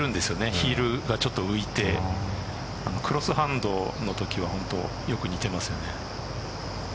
ヒールが浮いてクロスハンドのときはよく似ていますよね。